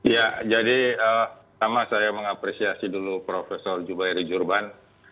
ya jadi pertama saya mengapresiasi dulu prof jubairi jurban